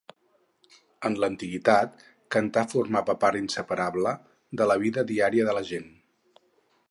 En l’antiguitat, cantar formava part inseparable de la vida diària de la gent.